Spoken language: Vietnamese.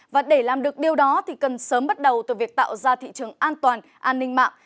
và để làm được điều đó thì cần sớm bắt đầu từ việc tạo ra thị trường an toàn an ninh mạng